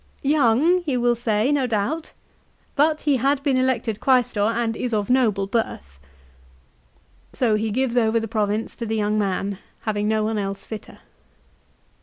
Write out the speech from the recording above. " Young, you will say ; no doubt ! But he had been elected Quaestor and is of noble birth." l So he gives over the province to the young man, having no one else fitter.